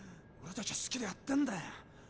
俺たちは好きでやってんだよ。